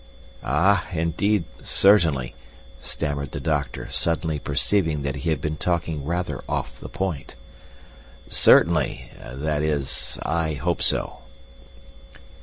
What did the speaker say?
"Ah, indeed, certainly," stammered the doctor, suddenly perceiving that he had been talking rather off the point. "Certainly, that is I hope so."